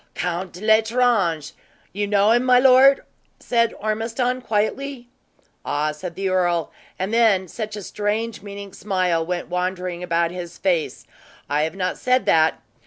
"Count L'Estrange. You know him, my lord?" said Ormiston, quietly. "Ah!" said the earl. And then such a strange meaning smile went wandering about his face. "I have not said that!